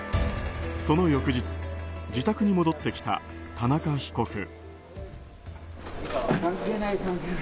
その翌日、自宅に戻ってきた田中被告。